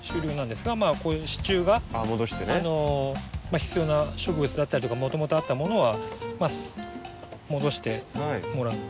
必要な植物だったりとかもともとあったものは戻してもらって。